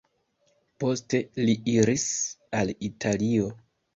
Poste li iris al Italio.